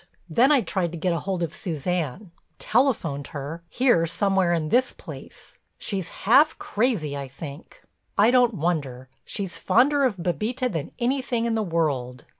Then I tried to get hold of Suzanne—telephoned her, here somewhere in this place. She's half crazy, I think—I don't wonder, she's fonder of Bébita than anything in the world.